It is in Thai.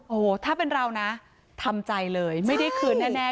โอ้โหถ้าเป็นเรานะทำใจเลยไม่ได้คืนแน่